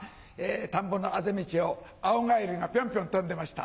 田んぼのあぜ道をアオガエルがぴょんぴょん跳んでました。